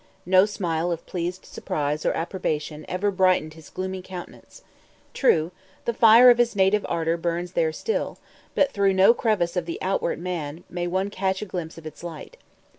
No smile of pleased surprise or approbation ever brightened his gloomy countenance. True, the fire of his native ardor burns there still, but through no crevice of the outward man may one catch a glimpse of its light.